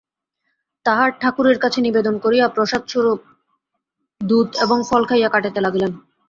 তাঁহার ঠাকুরের কাছে নিবেদন করিয়া প্রসাদস্বরূপে দুধ এবং ফল খাইয়া কাটাইতে লাগিলেন।